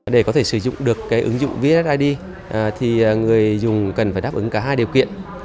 để có thể sử dụng được ứng dụng vssid người dùng cần phải đáp ứng cả hai điều kiện